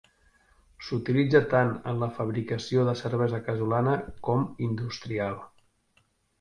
S'utilitza tant en la fabricació de cervesa casolana com industrial.